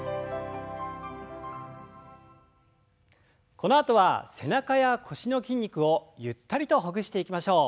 このあとは背中や腰の筋肉をゆったりとほぐしていきましょう。